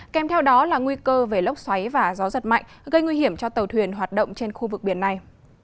kèm theo đó là nguy cơ về lốc xoáy và gió giật mạnh gây nguy hiểm cho tàu thuyền hoạt động trên khu vực biển này